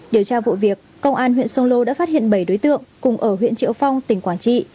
điều tra vụ việc công an huyện sông lô đã phát hiện bảy đối tượng cùng ở huyện triệu phong tỉnh quảng trị